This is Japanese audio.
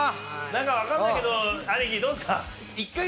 何か分かんないけど兄貴どうっすか？